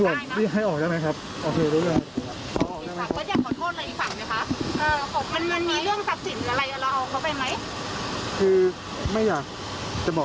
ก่อนไปเอาเรื่องทรัพย์ตรงอะไรขอตอบค่ะ